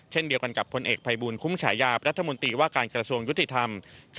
เช่นเดียวกันกับพลเอกภัยบูลคุ้มฉายารัฐมนตรีว่าการกระทรวงยุติธรรม